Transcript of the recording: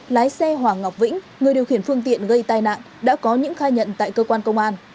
lái xe hoàng ngọc vĩnh người điều khiển phương tiện gây tai nạn đã có những khai nhận tại cơ quan công an